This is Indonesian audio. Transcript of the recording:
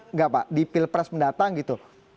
enggak pak di pilpres mendatang gitu